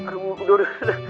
aduh udah udah